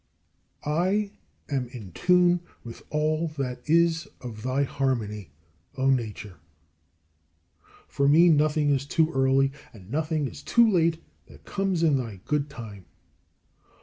23. I am in tune with all that is of thy harmony, O Nature. For me nothing is too early and nothing is too late that comes in thy good time.